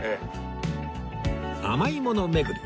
甘いもの巡り